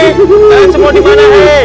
ga ada semua dimana he